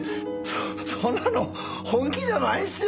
そそんなの本気じゃないっすよ。